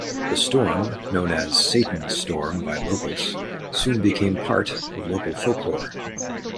The storm, known as "Satan's Storm" by locals, soon became part of local folklore.